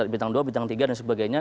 bintang dua bintang tiga dan sebagainya